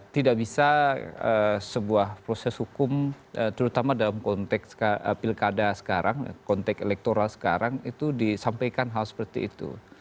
tidak bisa sebuah proses hukum terutama dalam konteks pilkada sekarang konteks elektoral sekarang itu disampaikan hal seperti itu